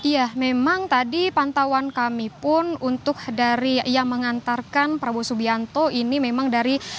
ya memang tadi pantauan kami pun untuk dari yang mengantarkan prabowo subianto ini memang dari